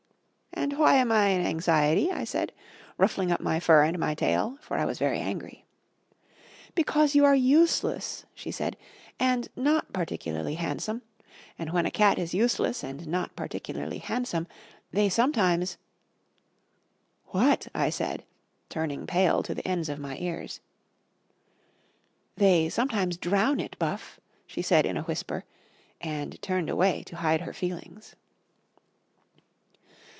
"And why am I an anxiety?" I said, ruffling up my fur and my tail, for I was very angry. "Because you are useless," she said, "and not particularly handsome; and when a cat is useless and not particularly handsome, they sometimes " "What?" I said, turning pale to the ends of my ears. "They sometimes drown it, Buff," she said in a whisper, and turned away to hide her feelings.